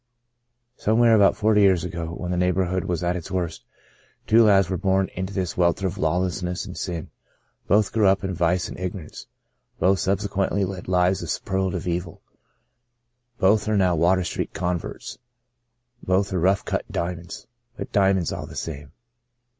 Somewhere around forty years ago, when the neighbourhood was at its worst, two lads were born into this welter of lawlessness and sin. Both grew up in vice and ignorance ; both subsequently led lives of superlative 122 " Out of Nazareth " evil ; both are now Water Street converts ; both are rough cut diamonds — but diamonds all the same.